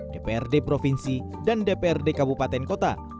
dprd provinsi dan dprd kabupaten kota